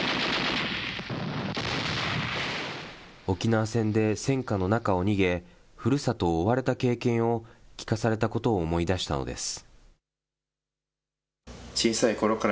沖縄戦で戦火の中を逃げ、ふるさとを追われた経験を聞かされたことを思い出したのです。